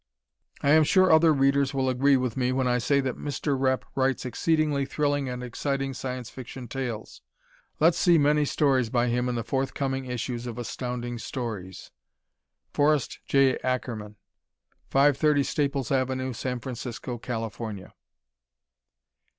I am sure other readers will agree with me when I say that Mr. Repp writes exceedingly thrilling and exciting Science Fiction tales. Let's see many stories by him in the forthcoming issues of Astounding Stories. Forrest J. Ackerman, 530 Staples Avenue, San Francisco, California.